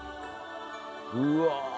うわ！